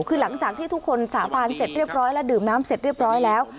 คือหลังจากที่ทุกคนสาบานเสร็จเรียบร้อยแล้วดื่มน้ำเสร็จเรียบร้อยแล้ว